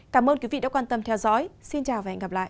cảm ơn quý vị đã quan tâm theo dõi xin chào và hẹn gặp lại